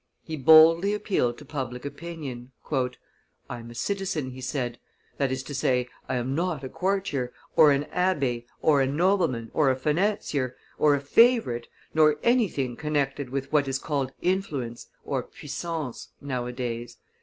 He boldly appealed to public opinion. "I am a citizen," he said; "that is to say, I am not a courtier, or an abbe, or a nobleman, or a financier, or a favorite, nor anything connected with what is called influence (puissance) nowadays.